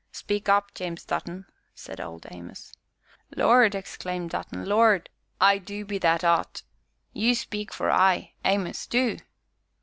"Speak up, James Dutton," said Old Amos. "Lord!" exclaimed Dutton, "Lord! I du be that 'ot! you speak for I, Amos, du."